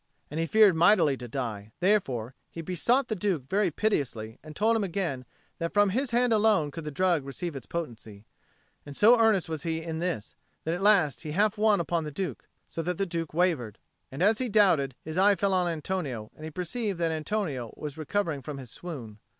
And he feared mightily to die; therefore he besought the Duke very piteously, and told him again that from his hand alone could the drug receive its potency. And so earnest was he in this, that at last he half won upon the Duke, so that the Duke wavered. And as he doubted, his eye fell on Antonio; and he perceived that Antonio was recovering from his swoon.